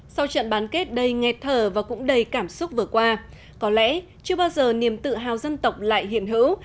sau trận bán kết đầy nghẹt thở và cũng đầy cảm xúc vừa qua có lẽ chưa bao giờ niềm tự hào dân tộc lại hiện hữu